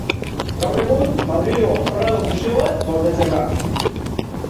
Gaur egun, Madrilgo Prado museoan gordetzen da.